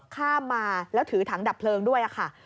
ข้ามมาแล้วถือถังดับเพลิงด้วยค่ะ